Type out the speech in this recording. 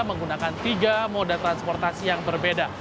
menggunakan tiga moda transportasi yang berbeda